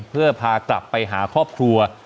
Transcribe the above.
เพื่อพากลับไปหาครอบครัว